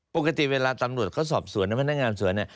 ปกติเวลาตำรวจเขาสอบสวนนะพนักงานสวนเนี่ย